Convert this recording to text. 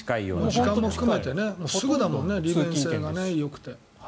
時間も含めて、すぐだよね利便性もよくて。